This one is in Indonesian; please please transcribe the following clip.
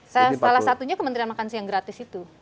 salah satunya kementerian makan siang gratis itu